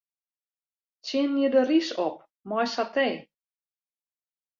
Tsjinje de rys op mei satee.